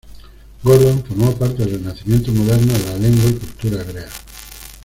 Gordon formó parte del renacimiento moderno de la lengua y cultura hebrea.